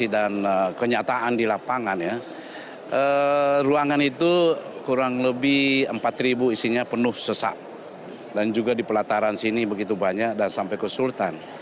dengan itu kurang lebih empat isinya penuh sesak dan juga di pelataran sini begitu banyak dan sampai ke sultan